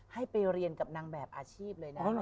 ให้ไปเรียนกับนางแบบอาชีพเลยนะ